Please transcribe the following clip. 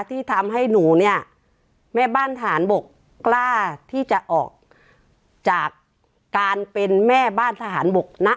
ที่ทำให้หนูเนี่ยแม่บ้านทหารบกกล้าที่จะออกจากการเป็นแม่บ้านทหารบกนะ